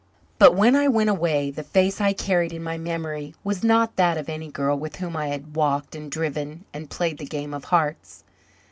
But when I went away the face I carried in my memory was not that of any girl with whom I had walked and driven and played the game of hearts.